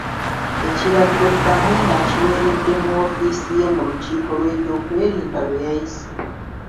Ekiragiro Bamwine akiweeredde mu woofiisi ye mu lukiiko lw'ebyokwerinda lwe yayise.